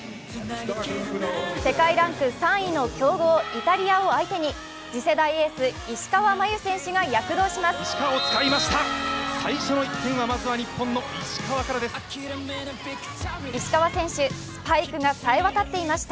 世界ランク３位の強豪・イタリアを相手に次世代エース・石川真佑選手が躍動します。